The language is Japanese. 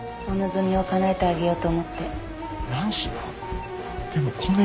お望みをかなえてあげようと思って。